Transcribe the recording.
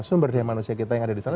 sumber daya manusia kita yang ada disana